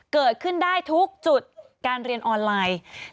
เกิดขึ้นได้ทุกจุดการเรียนออนไลน์